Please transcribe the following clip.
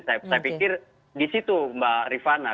saya pikir di situ mbak rifana